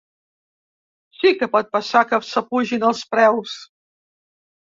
Sí que pot passar que s’apugin els preus.